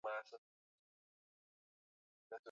sehemu iliyolengwa inatosha kukidhi mahitaji ya mkataba